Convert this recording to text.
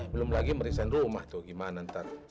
belum lagi merisain rumah tuh gimana ntar